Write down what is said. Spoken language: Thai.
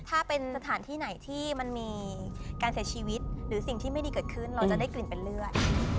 ถ้าเป็นสถานที่ไหนที่มันมีการเสียชีวิตหรือสิ่งที่ไม่ดีเกิดขึ้นเราจะได้กลิ่นเป็นเลือด